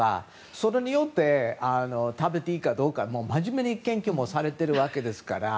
それによって食べていいかどうか真面目に研究もされてますから。